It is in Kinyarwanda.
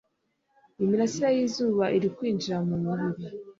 Imirasire yizuba iri kwinjira mu mumubiri